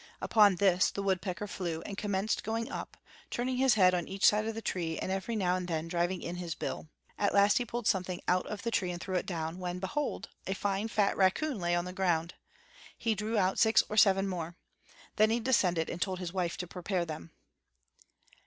Upon this the woodpecker flew, and commenced going up, turning his head on each side of the tree and every now and then driving in his bill. At last he pulled something out of the tree and threw it down; when, behold! a fine fat raccoon lay on the ground. He drew out six or seven more. He then descended and told his wife to prepare them.